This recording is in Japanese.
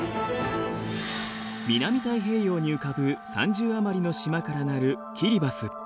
南太平洋に浮かぶ３０余りの島から成るキリバス。